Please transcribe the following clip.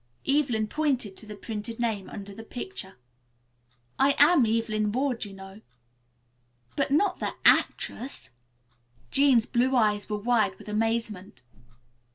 Evelyn pointed to the printed name under the picture. "I am Evelyn Ward, you know." "But not the actress?" Jean's blue eyes were wide with amazement.